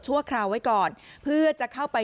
คราวไว้ก่อนเพื่อจะเข้าไป